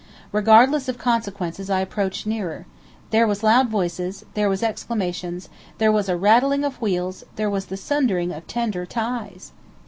Regardless of consequences I approached nearer. There was loud voices; there was exclamations; there was a rattling of wheels; there was the sundering of tender ties!